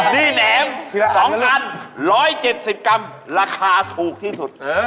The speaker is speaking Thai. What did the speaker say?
นี่แหนม๒๑๗๐กรัมราคาถูกที่สุด